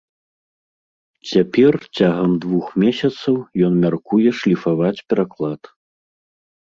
Цяпер цягам двух месяцаў ён мяркуе шліфаваць пераклад.